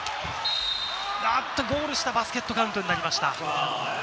ゴール下、バスケットカウントになりました。